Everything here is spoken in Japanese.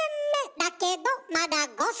だけどまだ５歳！